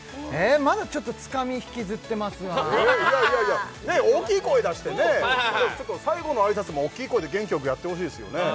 まだちょっとつかみ引きずってますわいやいやいや大きい声出してね最後の挨拶も大きい声で元気よくやってほしいですよね